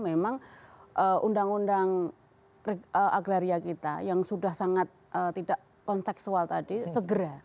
memang undang undang agraria kita yang sudah sangat tidak konteksual tadi segera